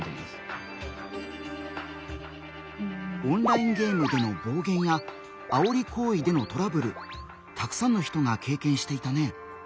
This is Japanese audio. オンラインゲームでの暴言やあおり行為でのトラブルたくさんの人が経験していたね。